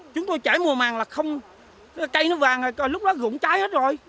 chúng tôi trải mùa màng là không cây nó vàng là lúc đó rụng trái hết rồi